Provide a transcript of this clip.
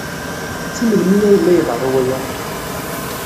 Seg melmi ay la iḍerru waya?